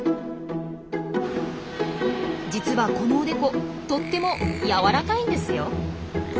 実はこのおでことっても柔らかいんですよ。